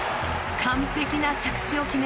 完璧な着地を決め